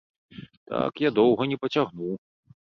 Так я доўга не пацягну.